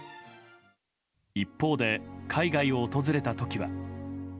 一方で海外を訪れた時は。